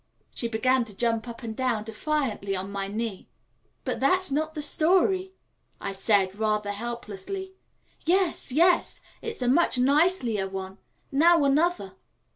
She began to jump up and down defiantly on my knee. "But that's not the story," I said rather helplessly. "Yes, yes! It's a much nicelier one! Now another."